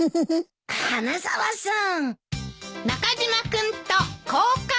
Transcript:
花沢さん。